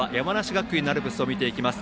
学院のアルプスを見ていきます。